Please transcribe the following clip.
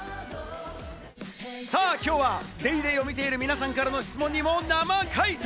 さぁ、きょうは『ＤａｙＤａｙ．』を見ている皆さんからの質問にも生回答！